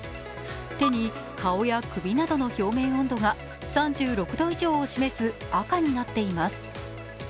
手に顔や首などの表面温度が３６度以上を示す赤になっています。